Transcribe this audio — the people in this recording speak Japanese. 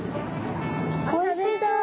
おいしそう。